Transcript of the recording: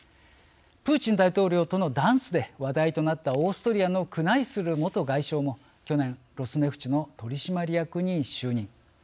プーチン大統領とのダンスで話題となったオーストリアのクナイスル元外相も去年ロスネフチの取締役に就任。